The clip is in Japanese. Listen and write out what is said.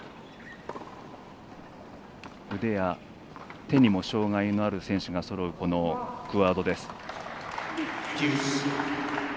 腕や手にも障がいのある選手がそろうこのクアードです。